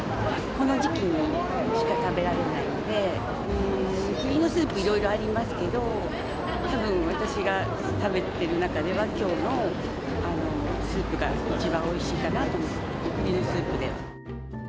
この時期にしか食べられないので、くりのスープいろいろありますけど、たぶん私が食べてる中では、きょうのスープが一番おいしいかなと思って、くりのスープで。